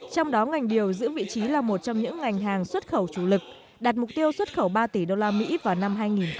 trong đó ngành điều giữ vị trí là một trong những ngành hàng xuất khẩu chủ lực đạt mục tiêu xuất khẩu ba tỷ usd vào năm hai nghìn hai mươi